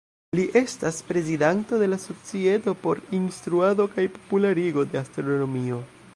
Li estas prezidanto de la Societo por Instruado kaj Popularigo de Astronomio.